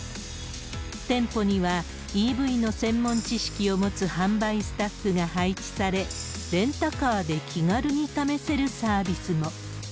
店舗にはＥＶの専門知識を持つ販売スタッフが配置され、レンタカーで気軽に試せるサービスも。